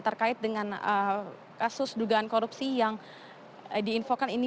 terkait dengan kasus dugaan korupsi yang diinfokan ini